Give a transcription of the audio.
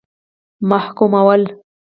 محکومول.